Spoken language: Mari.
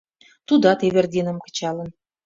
Тудат Эвердинам кычалын.